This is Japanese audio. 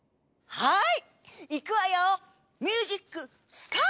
はい！